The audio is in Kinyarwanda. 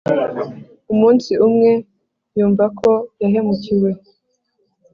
umunsi umwe yumva ko yahemukiwe